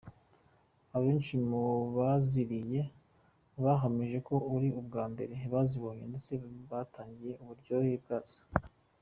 Abenshi mubaziriye bahamije ko ari ubwa mbere bazibonye ndetse batangarira uburyohe bwazo.